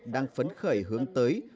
đang phấn khởi hướng tới